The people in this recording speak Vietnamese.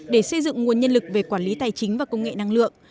để xây dựng nguồn nhân lực về quản lý tài chính và công nghệ năng lượng